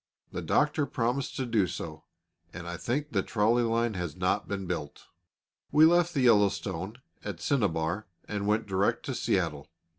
The Doctor promised to do so, and I think the trolley line has not been built. We left the Yellowstone Park, at Cinabar, and went direct to Seattle.